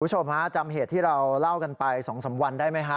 คุณผู้ชมฮะจำเหตุที่เราเล่ากันไป๒๓วันได้ไหมฮะ